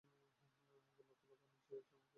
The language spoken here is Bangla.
আগে লক্ষ না-করলে নিশ্চয়ই চমকাতেন।